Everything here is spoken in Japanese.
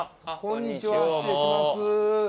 こんにちは失礼します。